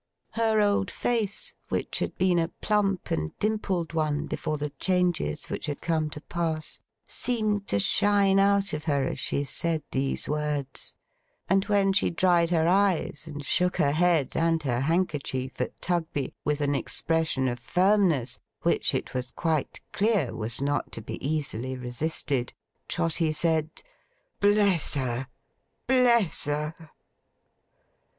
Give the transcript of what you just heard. Her old face, which had been a plump and dimpled one before the changes which had come to pass, seemed to shine out of her as she said these words; and when she dried her eyes, and shook her head and her handkerchief at Tugby, with an expression of firmness which it was quite clear was not to be easily resisted, Trotty said, 'Bless her! Bless her!